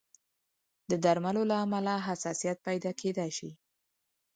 د درملو له امله حساسیت پیدا کېدای شي.